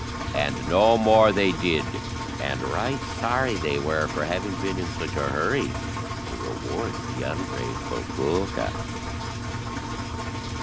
And no more they did, and right sorry they were for having been in such a hurry to reward the ungrateful pooka.